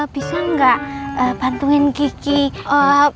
bisa nggak bantuin kiki besok sore